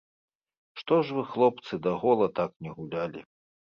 Што ж вы, хлопцы, да гола так не гулялі?